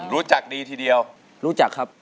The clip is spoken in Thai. รู้จักดีทีเดียวรู้จักครับ